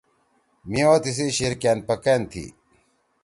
مھی او تیِسی شیِر کأن پہ کأن تھی۔